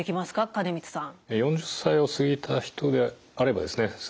金光さん。